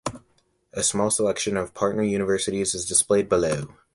A small selection of partner universities is displayed below.